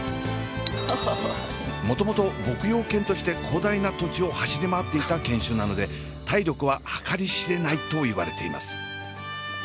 もともと牧羊犬として広大な土地を走り回っていた犬種なので体力は計り知れないといわれています。